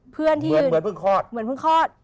เพื่อนที่อยู่เหมือนเพิ่งคลอด